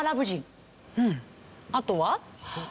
あとは？